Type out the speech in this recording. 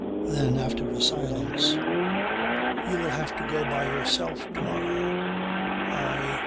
Then after a silence: "You will have to go by yourself to morrow. I